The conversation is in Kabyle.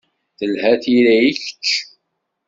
Telha tira i kečč.